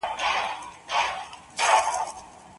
د شهپر ښکار یې خوراک د بادارانو